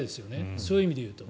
そういう意味で言うと。